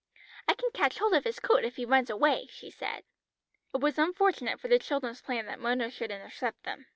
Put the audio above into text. "I can catch hold of his coat if he runs away," she said. It was unfortunate for the children's plan that Mona should intercept them.